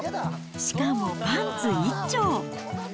しかもパンツ一丁。